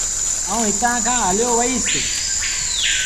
آئوٚݩ هتآݩ کآݩ هليو وهيٚس۔